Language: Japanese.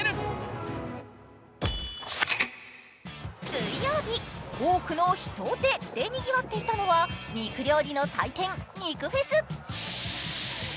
水曜日、多くの人出でにぎわっていたのは肉料理の祭典、肉フェス。